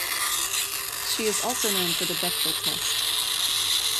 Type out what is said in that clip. She is also known for the Bechdel test.